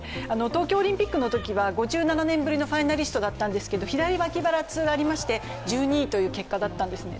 東京オリンピックのときは５７年ぶりのファイナリストだったんですが左脇腹痛がありまして１２位という結果だったんですね。